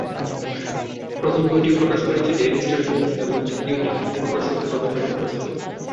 প্রথম বইটি প্রকাশ করেছে ডেইলি স্টার বুকস এবং দ্বিতীয়টির প্রকাশক প্রথমা প্রকাশন।